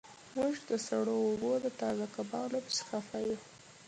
موږ د سړو اوبو د تازه کبانو پسې خفه یو